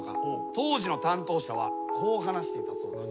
当時の担当者はこう話していたそうです。